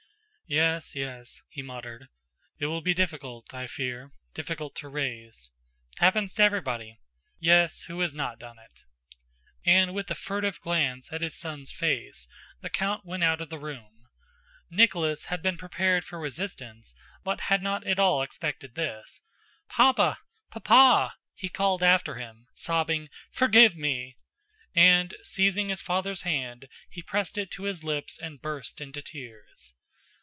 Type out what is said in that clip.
"Yes, yes," he muttered, "it will be difficult, I fear, difficult to raise... happens to everybody! Yes, who has not done it?" And with a furtive glance at his son's face, the count went out of the room.... Nicholas had been prepared for resistance, but had not at all expected this. "Papa! Pa pa!" he called after him, sobbing, "forgive me!" And seizing his father's hand, he pressed it to his lips and burst into tears.